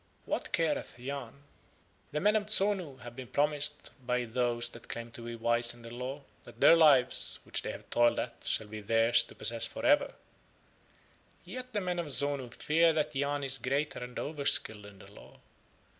What careth Yahn? The men of Zonu have been promised by those that claim to be wise in the Law that their Lives which they have toiled at shall be theirs to possess for ever, yet the men of Zonu fear that Yahn is greater and overskilled in the Law.